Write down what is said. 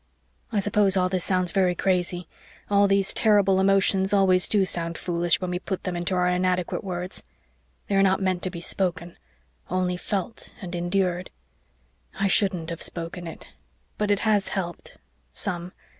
I suppose all this sounds very crazy all these terrible emotions always do sound foolish when we put them into our inadequate words. They are not meant to be spoken only felt and endured. I shouldn't have spoken but it has helped some.